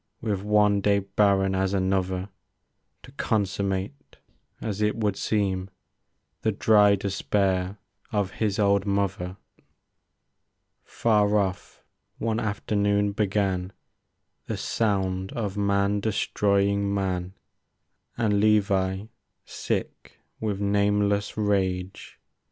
With one day barren as another; To consummate, as it would seem. The dry despair of his old mother. Far off one afternoon began The sound of man destroying man ; And Levi, sick with nameless rage.